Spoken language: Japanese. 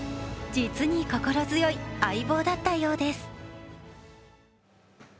実に心強い相棒だったようです。